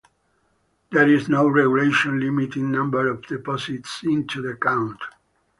There is no regulation limiting number of deposits into the account.